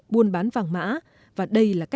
buôn bán vàng mã